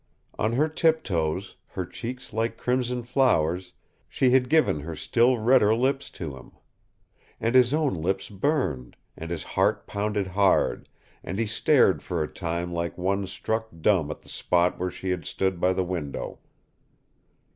On her tiptoes, her cheeks like crimson flowers, she had given her still redder lips to him! And his own lips burned, and his heart pounded hard, and he stared for a time like one struck dumb at the spot where she had stood by the window.